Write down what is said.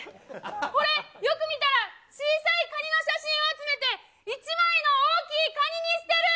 これ、よく見たら、小さいカニの写真を集めて一枚の大きいカニにしてる。